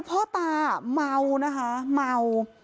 พ่อตามเดี้ยว